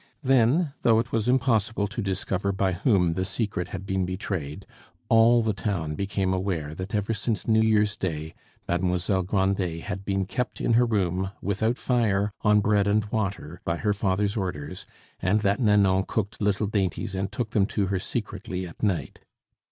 Then, though it was impossible to discover by whom the secret had been betrayed, all the town became aware that ever since New Year's day Mademoiselle Grandet had been kept in her room without fire, on bread and water, by her father's orders, and that Nanon cooked little dainties and took them to her secretly at night.